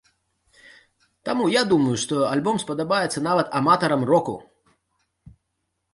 Таму, я думаю, што альбом спадабаецца нават аматарам року.